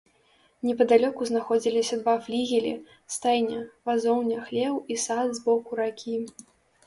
Непадалёку знаходзіліся два флігелі, стайня, вазоўня, хлеў і сад з боку ракі.